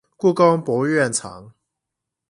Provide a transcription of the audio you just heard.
故宮博物院藏